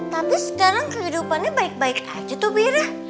tapi sekarang kehidupannya baik baik aja tuh beda